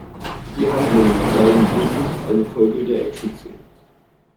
Die Handlung sei lediglich eine Folge der Actionszenen.